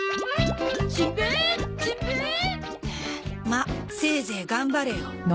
まあせいぜい頑張れよ。